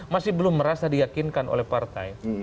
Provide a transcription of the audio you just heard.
masih belum merasa diyakinkan oleh partai